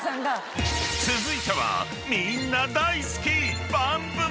［続いてはみんな大好き］